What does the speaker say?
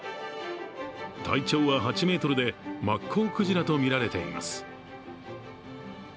体長は８ｍでマッコウクジラと見られています。